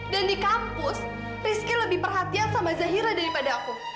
dan di kampus rizky lebih perhatian sama zahira daripada aku